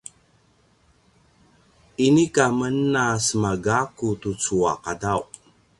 inika men a sema gakku tucu a qadaw